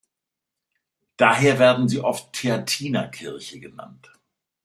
Daher werden sie oft Theatinerkirche genannt.